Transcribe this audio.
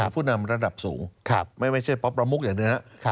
ผู้นำระดับสูงไม่ใช่เพราะประมุกอย่างนี้นะ